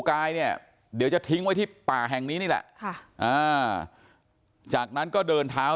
กายเนี่ยเดี๋ยวจะทิ้งไว้ที่ป่าแห่งนี้นี่แหละจากนั้นก็เดินเท้า